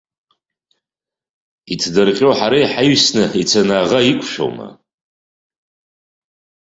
Иҭдырҟьо ҳара иҳаҩсны ицаны аӷа иқәшәома?